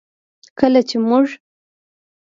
کله چې موږ